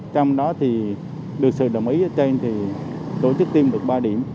trong đó thì được sự đồng ý ở trên thì tổ chức tiêm được ba điểm